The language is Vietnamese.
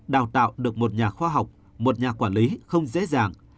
đào tạo được một nhà khoa học một nhà quản lý không dễ dàng